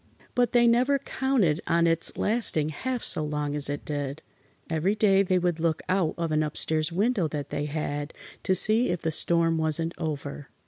But they never counted on its lasting half so long as it did. Every day they would look out of an upstairs window that they had, to see if the storm wasn't over.